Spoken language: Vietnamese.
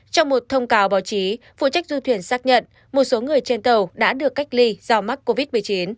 trong một thông cáo báo chí phụ trách du thuyền xác nhận một số người trên tàu đã được cách ly do mắc covid một mươi chín